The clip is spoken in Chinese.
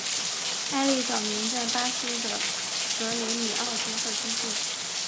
埃利早年在巴西的格雷米奥接受青训。